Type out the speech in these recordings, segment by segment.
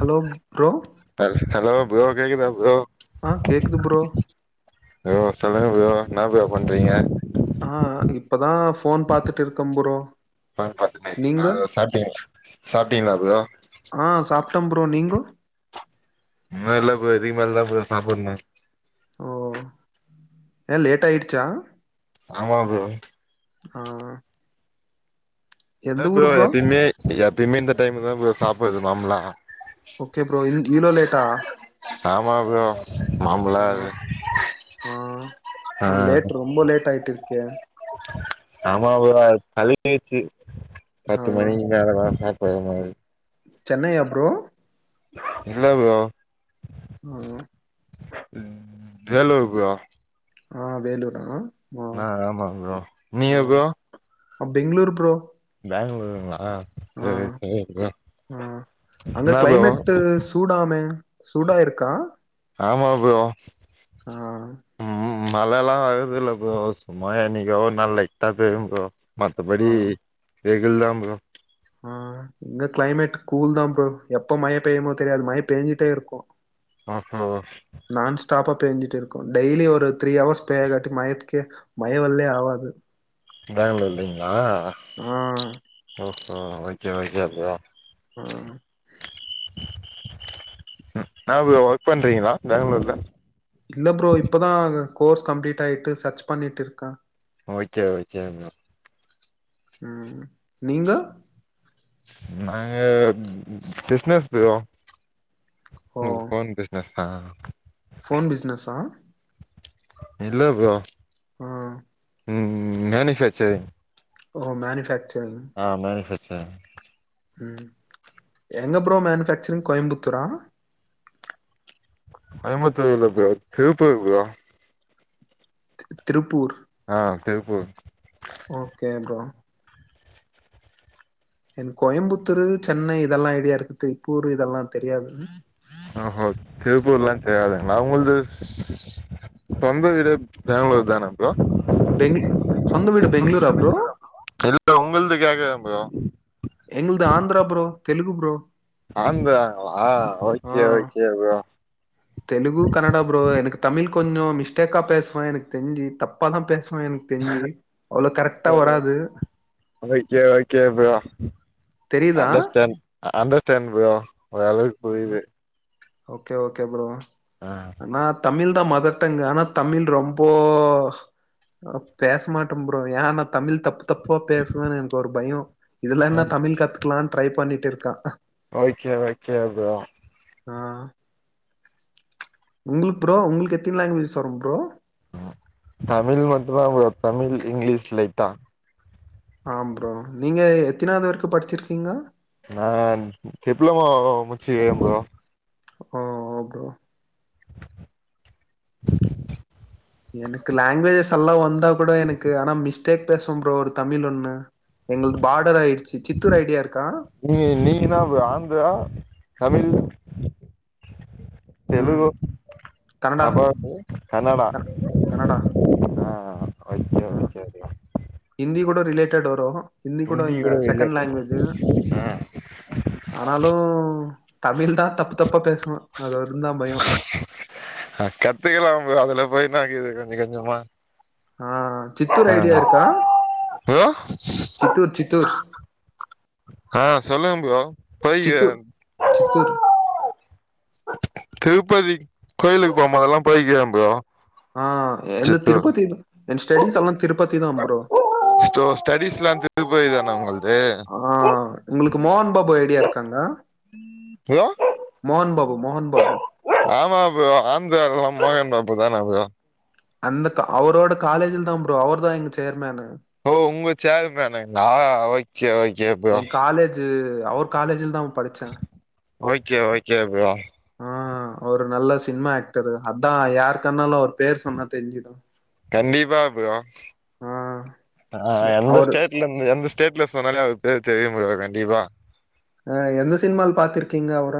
Hello bro hello bro கேக்குதா bro ஆ கேக்குது ப்ரோ யோ சொல்லுங்க ப்ரோ என்ன ப்ரோ பண்றீங்க ஆ இப்பதா ஃபோன் பாத்துட்டு இருக்கே ப்ரோ பாத்தேங்க நீங்க சாப்ட்டீ சாப்ட்டீங்களா ப்ரோ ஆ சாப்ட்டம் ப்ரோ நீங்க அதெல்லா இல்ல ப்ரோ இதுக்கு மேல தா ப்ரோ சாப்டனும் ஓ ஏ லேட்டாயிடுச்சா ஆமா ப்ரோ ஆ இல்ல எந்த ப்ரோ ஊரு எப்பயுமே எப்பயுமே இந்த டைமுக்குதா ப்ரோ சாப்பிடடுறது நார்ம்லா ஓகே ப்ரோ இ ஈலோ லேட்டா ஆமாம் ப்ரோ நார்மலா ஆ ஆ லேட் ரொம்ப லேட் ஆயிட்டு இருக்கே ஆமா ப்ரோ அது பழகிருச்சு ஆ பத்து மணி வேலல்லா ஸ்டார்ட் பண்ணணுமாக்குது சென்னையா ப்ரோ இல்ல ப்ரோ ஆஹ ம் வேலூர் ப்ரோ ஆ வேலூரா ஆ ஆமா ப்ரோ நீங்க அ பெங்களூர் ப்ரோ பெங்களூருங்களா ஆ செரி செரி ப்ரோ ஆ அங்க என்ன ப்ரோ கிளைமேட்டு சூடாமே சூடா இருக்கா ஆமா ப்ரோ ஆ உம் மழல்லாம் வருது இல்ல ப்ரோ சும்மா என்னைக்கோ ஒரு நாள் லைட்டா பெயும் ப்ரோ மத்தபடி ஆ வெயில் தா ப்ரோ ஆ இங்க கிளைமேட் கூல் தா ப்ரோ எப்ப மய பெயுமோ தெரியாது மழ பேஞ்சுட்டே இருக்கும் பாக்கணும் நான் ஸ்டாப்பா பெஞ்சிட்டு இருக்கோ டெய்லி ஒரு த்ரீ ஹவர்ஸ் பெய காட்டி மயத்துக்கே மயவல்லே ஆவாது பேங்களூர்லலைங்களா அ ஆ ஓஹோ ஓகே ஓகே ப்ரோ ஆ என்ன ப்ரோ ஒர்க் பண்றீங்ளா பெங்களூர்ல இல்ல ப்ரோ இப்பதா கோர்ஸ் கம்ப்ளீட் ஆயிட்டு சர்ச் பண்ணிட்டு இருக்க ஓகே ஓகே ப்ரோ ம் நீங்க நாங்க பிசினஸ் ப்ரோ ஓ ஓன் பிஸ் ஸ் தா ஃபோன் பிசினஸா இல்ல ப்ரோ ம் ம் மேனுஃபாக்சரிங் ஓ மேனுஃபேக்சரிங் ஆ மேனுஃபாக்சரிங் ம் எங்க ப்ரோ மேனுஃபேக்சரிங் கோயம்புத்தூரா கோயம்புத்தூர் இல்ல ப்ரோ திருப்பூர் ப்ரோ திருப்பூர் ஆ திருப்பூர் ஓகே ப்ரோ என் கோயம்புத்தூர் சென்னை இதல்லாம் ஐடியா இருக்குது திருப்பூர் இதல்லாம் தெரியாது ஓஹோ திருப்பூர்லா தெரியாதுங்களா உங்கள்து சொந்த ஊர் பேங்களூரு தானா இல்ல உங்கள்து கேக்கறேன் ப்ரோ எங்கள்து ஆந்திரா ப்ரோ தெலுங்கு ப்ரோ ஆந்திராவா ஆ okay okay bro Telugu Kannada bro எனக்கு தமிழ் கொஞ்ச மிஸ்டேக்கா பேசுவே எனக்கு தெஞ்சு தப்பா தா பேசுவேன் எனக் தெஞ்சி அவ்வளவு கரெக்ட்டா வராது ஓகே ஓகே ப்ரோ தெரியுதா அண்டர்ஸ்ட் அண்டர்டன் ப்ரோ ஓரளவுக்கு ஆ, புரிது ஓகே ஓகே ப்ரோ ஆ ஆனா தமிழ் தா மதர் டங் ஆனா தமிழ் ரொம்போ பேசமாட்ட ப்ரோ ஏன்னா தமிழ் தப்பு தப்பா பேசுவன்னு எனக்கு ஒரு பயம் இதுல என்ன தமிழ் கத்துக்கலாம்னு ட்ரை பண்ணிட்டு இருக்கா ஓகே ஓகே ப்ரோ ஆ உங்களுக்கு ப்ரோ உங்களுக்கு எத்தின் லாங்வேஜ்ஸ் வரும் ப்ரோ தமிழ் மட்டு்தா தமிழ் இங்கிலீஷ் லைட்டா ஆ ப்ரோ நீங்க எத்தினாவது வரைக்கு படிச்சுருக்கீங்க நா டிப்ளமோ முச்சுகறேன் ப்ரோ ஒ ப்ரோ எனக்கு லாங்குவேஜஸ் எல்லாம் வந்தா கூட எனக்கு ஆனா மிஸ்டேக் பேசுவோ ப்ரோ ஒரு தமிழ் ஒண்ணு எங்களது பார்டர் ஆயிடுச்சு சித்தூர் ஐடியா இருக்கா நீங்கி நீங்க தா ப்ரோ ஆந்தரா தமிழ் ம். தெலுகு கனடா நபாப்பு கன்னடா க கனடா ஆ ஓகே ஓகே ஹந்தி கூட ரிலேட்டட் வரு ஹிந்தி கூட இல்ல செகண்ட் லாங்குவேஜ்ஜூ ஆனாலு தமிழ் தா தப்பு தப்பா பேசுவ அது ஒன்னுதா பயோ ஆ கத்துக்கலா ப்ரோ அதுல போய் என்னாக்குது கொஞ்ச கொஞ்சமா ஆ சித்தூர் ஆ ஐடியா இருக்கா ப்ரோ சித்தூர் சித்தூர் ஆ சொல்லுங் ப்ரோ போய்க்கிறே சித்தூர் சித்தூர் திருப்பதிக் கோயிலுக்கு போம்போதெல்லா போய்குறே ப்ரோ ஆ எந்த சித்து திருப்பதி என் ஸ்டேடிஸ் எல்லா திருப்பதி தா ப்ரோ ஸ்டோ ஸ்டடிஸ்லா திருப்பதி தானா உங்கள்து ஆ உங்களுக்கு மோகன் பாபு ஐடியா இருக் தங்க ப்ரோ மோகன் பாபு மோஹன் பாபு ஆமா ப்ரோ ஆந்தரால்லா மோகன் பாபு தான ப்ரோ அந்தக் க அவரோட காலேஜில் தா ப்ரோ அவுர்தா எங்க சேர்மேனு ஓ உங்க சேர்மேனு நா அவ [unintelligible] என் காலேஜூ அவர் காலேஜ்ல தா படிச்ச ஓகே ஓகே ப்ரோ ஆ ஒரு நல்ல சினிமா ஆக்டரு அதா யாருக்கனாலு அவர் பேர் சொன்னா தெரிஞ்சிடு கண்டிப்பா ப்ரோ ஆ எ- எந்த அவர் ஸ்டேட் இல்ல இந்த எந்த ஸ்டேட்ல சொன்னாலே அவர் பேர் தெரியும் ப்ரோ கண்டிப்பா ஆ எந்த சினிமால பாத்திருக்கீங்க அவர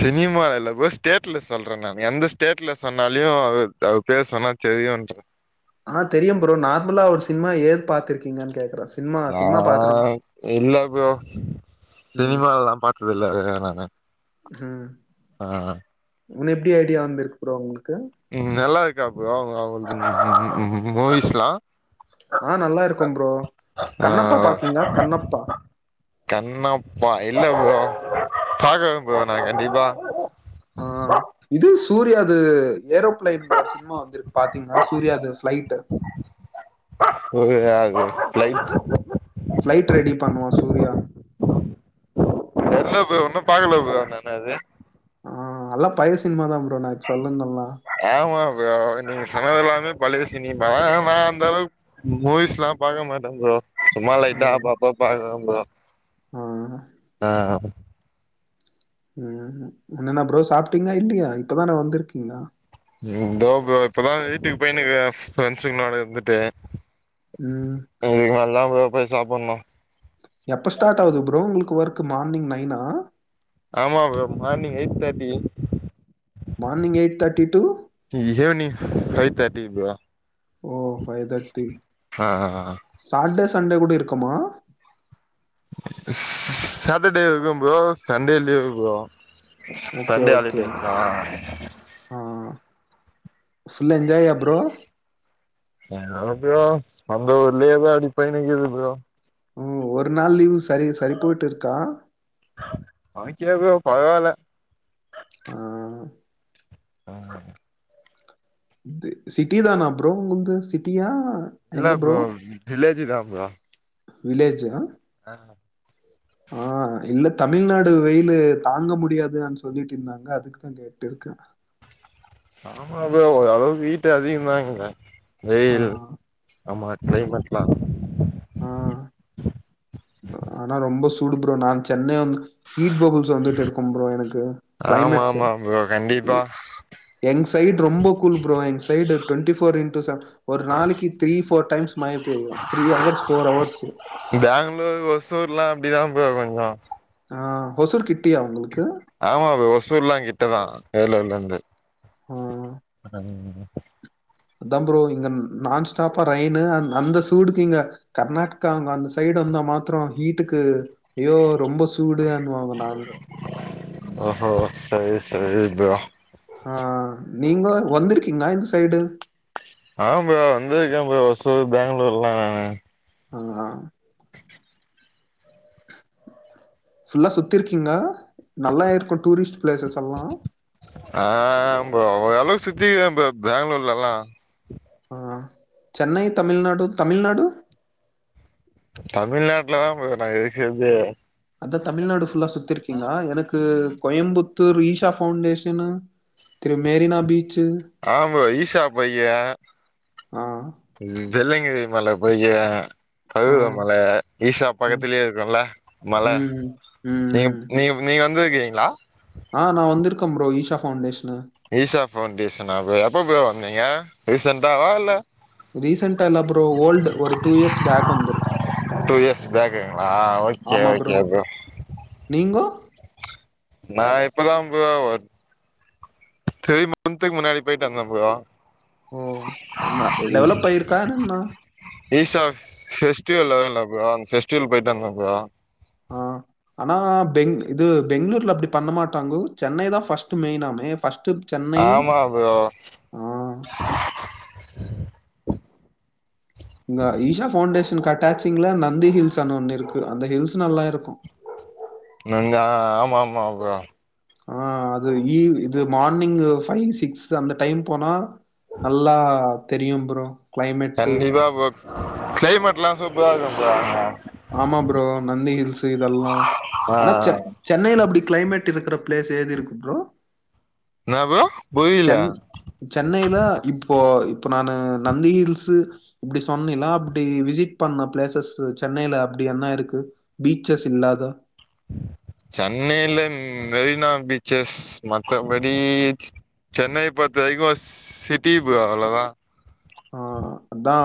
சினிமால இல்ல ப்ரோ ஸ்டேட்ல சொல்ற நா எந்த ஸ்டேட்ல சொன்னாலுஅவர் பேர் சொன்னா தெரியுன்ட்டு ஆ தெரியும் ப்ரோ நார்மலா அவுர் சினிமா ஏது பார்த்திருக்கீங்கன் கேக்குற சார் அ அ இல்ல ப்ரோ ம் சினிமால்லாம் பாத்தது இல்ல நானு அ இன்ன எப்டி ஐடியா வந்திருக்கு ப்ரோ உங்ளுக்கு ம் நல்லா இருக்கா ப்ரோ அவு அவுங்கல்து ம் ம் ம் மூவிஸ்ல்லா ஆ நல்லாருக்கும் ப்ரோ ஆ கண்ணப்பா பாத்தீங்ளா கண்ணப்பா கண்ணப்பா இல்ல ப்ரோ பாக்கர ப்ரோ நா கண்டிப்பா ஆ இது சூரியாது ஏரோப்ளைன் ஒர் சின்மா வந்துருக்கு பாத்தீங்கன்னா சூர்யாது ஃப்ளைட் ஒரு ஆள் ஃப்லை ஃப்லைட் ரெடி பண்ணுவா சூர்யா தெர்ல ப்ரோ இன்னும் பாக்குல ப்ரோ நானு அது அ அல்லா பழ சினிமா தாம்ப்ரோ நா சொல்லன்தெல்லா ஆம்மா ப்ரோ நீ சொன்னதெல்லாமே பழய சினிமா ஆனா நா அந்த அளவு மூவிஸ்லா பாக்க மாட்ட ப்ரோ சும்மா லைட்டா அப்பப்ப பாக்றதா ப்ரோ அ அஹ ம் என்னன்னா ப்ரோ சாப்ட்டீங்ளா இல்லயா இப்பதான வந்திருக்கீங்ளா ம் தோ ப்ரோ இப்பதா வீட்டுக்கு பொய்னுக்குற பிரிஎண்ட்ஸ்களோட இருந்துட்டு ம் இதுக்மேல் தா ப்ரோ போய் சாப்பன்ணு எப்ப ஸ்டார்ட் ஆவுது ப்ரோ உங்களுக்கு ஒர்க்கு மார்னிங் நைனா ஆமா bro morning eight thirty morning eight thirty to evening five thirty bro ஓ ஃபைவ் தேர்ட்டி ஆ சாட்டடே சண்டே கூட இருக்குமா ஸ் சாட்டர்டே இருக்கு bro Sunday leave bro Sunday holidays ஆ ம் ஃபுல்லா என்ஜாய்யா ப்ரோ எங்க ப்ரோ வந்ததுலேதா அப்டி போய்னிக்குது ப்ரோ ம் ஒரு நாள் லீவு சரி சரி போய்ட்டு இருக்கா அமச்சி வைக்றியே பரவால ஆ ஆமாங்க இது சிட்டி தான ப்ரோ உங்கள்து சிட்டியா இல்ல ப்ரோ வில்லேஜா தா ப்ரோ வில்லேஜா ஆ ஆ இல்ல தமிழ்நாடு வெயிலு தாங்க முடியாது அம் சொல்லிட்டு இருந்தாங்க அதுக்குதா போட் இருக்கு ஆமா ப்ரோ ஓரளவுக்கு ஹீட்டு அதிக தா இங்க ஆ வெயில் ஆமா ஆ [unintelligible] வா ஆ ஆனா ரொம்ப சூடு ப்ரோ நா சென்னை வந்து ஹீட் பப்புள்ஸ் வந்துட்டு இருக்கு ப்ரோ எனக்கு ஆமா கிளைமேட்ஸ் ஆமா ப்ரோ கண்டிப்பா என் சைட் ரொம்ப cool bro one side twenty four in two seven ஒரு நாளைக்கி த்ரீ ஃபோர் டைம்ஸ் மழை பெய்யும் three hours four hours Bangalore ஒசூர்லா அப்டிதா ப்ரோ கொஞ்சோ ஆ ஒசூர் கிட்டியா உங்குளுக்கு ஆமா ஃப்ரோ ஒசூர்ல்லா கிட்டதா வேலூர்ல இருந்து ஆ ஆ அதா ப்ரோ இங்க நான் ஸ்டாப்பா ரைனு அந் அந்த சூடுக்கு இங்க கர்நாட்டுகா அங்க அந்த சைடு வந்தா மாத்ரம் ஹீட்டுக்கு ஐயோ ரொம்ப சூ டூட்டூதான்னு வாங்க நாங்கோ ஓஹோ சரி சரி ஃப்ரோ ஆ நீங்க வந்திருக்கீங்ளா இந்த சைடு ஆ ப்ரோ வந்திருக்க ப்ரோ ஒசூர் பேங்ளூர்ல்லா நானு அ ஆ ஃபுல்லா சுத்திருக்கீங்ளா நல்லா இருக்கும் டூரிஸ்ட் பிளேஸஸ் எல்லா ஆ ஃப்ரோ ஓரளவுக்கு சுத்திரிக்கே ஃப்ரோ பேங்களூர்லல்லா ஆ சென்னை தமிழ்நாடு தமிழ்நாடு தமிழ்நாட்ல தா ஃப்ரோ நா இருக்கறதே அதா தமிழ்நாடு ஃபுல்லா சுத்திருக்கீங்ளா எனக் இது கோயம்புத்தூர் ஈஷா ஃபவுண்டேஷன்னு த்ரு மெரினா பீச்சு ஆம் ஃப்ரோ ஈஷா போயிகிற ஆ வெள்ளிங்கிறி மல போயிக்கியா ஆ பருவத மல ஈஷா ம் பக்கத்திலே இருக்குல மல ம் ம் ம் நேம் நேம் நீங்க வந்துருக்கீங்ளா ஆ நா வந்திருக்க ப்ரோ ஈஷா ஃபவுண்டேஷனு ஈஷா ஃபவுன்டேஷனா ப்ரோ எப்ப ப்ரோ வந்தீங்க ரீசண்டாவா இல்ல ரீசண்டா இல்ல ஃப்ரோ ஓல்டு ஒரு டூ இயர்ஸ் பேக் வந்துருக்கா டூ இயர்ஸ் பேக்குங்களா ஓகே ஓகே ப்ரோ நீங்கோ நா இப்பதா ப்ரோ ஒர் த்ரீ மன்த்துக்கு முன்னாடி பொய்ட்டு வந்தே ப்ரோ ஓ அ டெவலப் ஆயிருக்கா என்னா ஈஷா ஃபெஸ்டிவல் வருல்ல ப்ரோ அந் ஃபெஸ்டிவல் பொய்ட்டு வந்த ப்ரோ ஆ ஆனா பெங் இது பெங்ளூர்ல அப்டி பண்ண மாட்டாங்கோ சென்னைதா ஃபர்ஸ்ட்டு மெயினாமே ஃபர்ஸ்ட்டு சென்னை ஆமா ப்ரோ ஆ இங்க ஈஷா ஃபவுண்டேஷனுக்கு அட்டாச்சிங்ல் நந்தி ஹில்ஸனு ஒன்னு இருக்கு அந்த ஹில்ஸ் நல்லா இருக்கு நிங்க ஆமா ஆமா ப்ரோ ஆ அது இ இது மார்னிங்கு ஃபைவ் சிக்ஸ் அந்த டைம் போனா நல்லா தெரியு ப்ரோ கண்டிப்பா ப்ரோ கிளைமேட்ல்லா சூப்பரா இருக்கு ப்ரோ அங்க ஆமா ப்ரோ நந்தி ஹில்ஸ்ஸு இதெல்லா ஆனா ஆ செ சென்னைல அப்டி கிளைமேட் இருக்குற பிளேஸ் ஏது இருக்கு ப்ரோ என்ன ப்ரோ புரியல சென்னைல இப்போ இப்போ நானு நந்தி ஹில்ஸு இப்டி சொன்னினா அப்டி விசிட் பண்ண பிளேசஸ் வச் சென்னைல அப்டி என்ன இருக்கு பீச்சஸ் இல்லாத சென்னைல மெரினா பீச்சஸ் மத்தபடி சென்னை பொற்த்த வரிக்கு சிட்டி ப்ரோ அவ்ளோதா ஆ அதா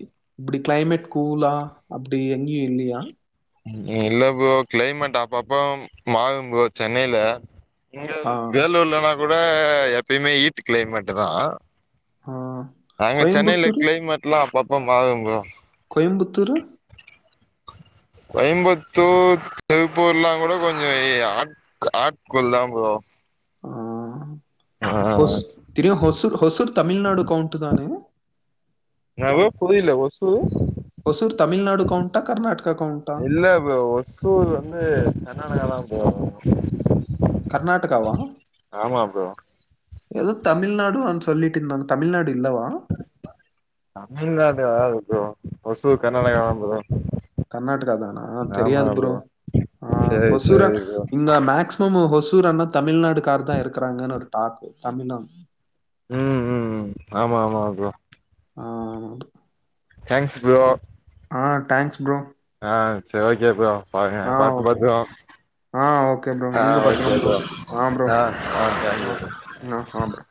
இப்டி கிளைமேட் கூலா அப்டி எங்கியு இல்லயா இல்ல ப்ரோ க்ளைமேட் அப்பப்ப மாறு ப்ரோ சென்னைல இங்க ஆ வேலூர்லனா கூட எப்பய்மே ஹீட்டு க்ளைமேட்டுதா அ அ இங்க சென்னைல கிளைமேட் ல்லா அப்பப்ப மாறு ப்ரோ கோயம்புத்தூரு கோயம்பத்தூர் திருப்பூர்ல்லாங்கூட கொஞ்சோ ஆட் கு ஆட்கூல் தா ப்ரோ ஆ ஹொஸ் என்ன த்ரி ஹொசூர் ஹொசூர் தமிழ்நாடு கவுண்ட்டு தானே என்னா போ புரில ஒசூர் ஒசூர் தமிழ்நாடு கவுண்ட்டா கர்நாட்கா கவுண்ட்டா இல்ல ப்ரோ ஒர் ஒசூர் வந்து கர்நாடகாதா ப்ரோ வரு கர்நாடகாவா ப்ரோ எதோ தமிழ்நாடு அன் சொல்லிட்டு இர்ந்தாங்க தமிழ்நாடு இல்லவா தமிழ்நாடு வராது ப்ரோ ஒசூர் கர்நாடகாதா ப்ரோ கர்நாடகாதானா தெரியாது ப்ரோ ஆ சேரி ஓசூர சேரி ப்ரோ இந்த மேக்ஸ் இன்னமு ஒசூரானா தமிழ்நாடுக்கார்தா இருக்கறாங்கன்னு ஒரு டாக்கு தமிழம் ம் ம் ம் ஆமா ஆமா ப்ரோ ஆ தேங்க்ஸ் ப்ரோ ஆ டேங்க்ஸ் ப்ரோ ஆ செர் ஓகே ப்ரோ பாருங்க ஆ பாத்து ஓகே. பத்ரோ ஆ ஓகே ப்ரோ. ஆ நீங்க ஓகே பத்திரம் ப்ரோ ஆ ஆ தேங்க் யூ ப்ரோ நா [unintelligible]